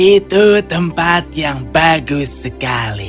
itu tempat yang bagus sekali